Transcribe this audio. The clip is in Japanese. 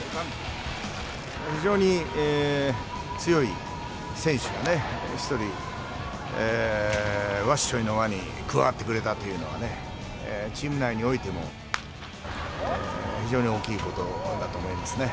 非常に強い選手の一人、わっしょいの輪に加わってくれたというのは、チーム内においても、非常に大きいことだと思いますね。